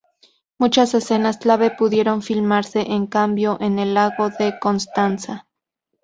Muchas escenas clave pudieron filmarse, en cambio, en el lago de Constanza.